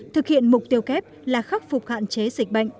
thực hiện mục tiêu kép là khắc phục hạn chế dịch bệnh